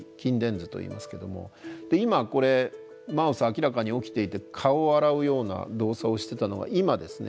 今これマウス明らかに起きていて顔を洗うような動作をしてたのが今ですね